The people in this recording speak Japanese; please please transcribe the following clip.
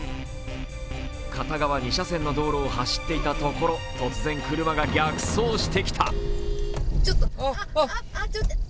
片側２車線の道路を走っていたところ、突然車が逆走してきた。